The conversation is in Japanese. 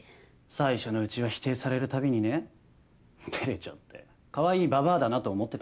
最初のうちは否定されるたびにね照れちゃってカワイイババアだなと思ってたけど。